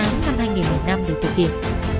năm hai nghìn một mươi năm để thực hiện